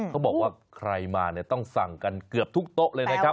เขาบอกว่าใครมาเนี่ยต้องสั่งกันเกือบทุกโต๊ะเลยนะครับ